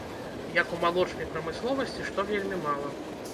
Як у малочнай прамысловасці, што вельмі мала.